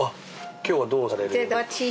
今日はどうされる。